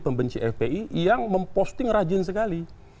pembenci fpi yang memposting rajin sekali